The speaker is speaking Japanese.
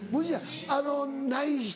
あの「無い人」？